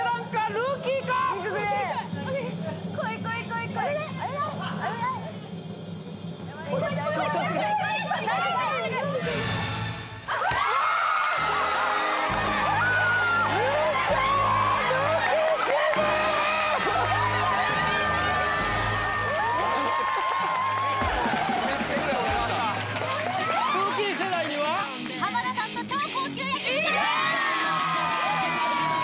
ルーキー世代には浜田さんと超高級焼肉ですイエーイ！